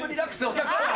お客さま？